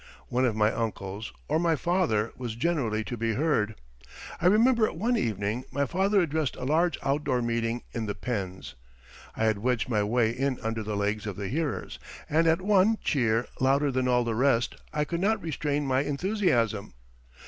One of my uncles or my father was generally to be heard. I remember one evening my father addressed a large outdoor meeting in the Pends. I had wedged my way in under the legs of the hearers, and at one cheer louder than all the rest I could not restrain my enthusiasm.